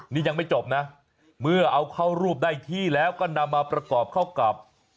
นี่ยังไม่จบนะเมื่อเอาเข้ารูปได้ที่แล้วก็นำมาประกอบเข้ากับ